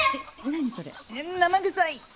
何それ生臭い！